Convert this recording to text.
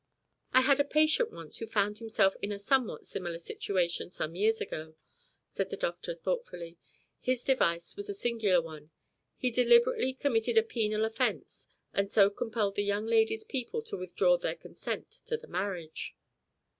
"I had a patient once who found himself in a somewhat similar situation some years ago," said the doctor thoughtfully. "His device was a singular one. He deliberately committed a penal offence, and so compelled the young lady's people to withdraw their consent to the marriage."